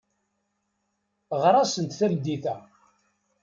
Ɣer-asent tameddit-a.